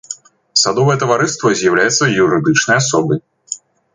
Садовае таварыства з'яўляецца юрыдычнай асобай.